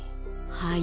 はい？